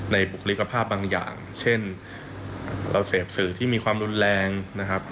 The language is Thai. บุคลิกภาพบางอย่างเช่นเราเสพสื่อที่มีความรุนแรงนะครับ